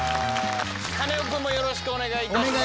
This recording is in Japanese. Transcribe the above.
カネオくんもよろしくお願いいたします。